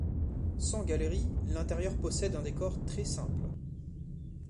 Sans galerie, l'intérieur possède un décor très simple.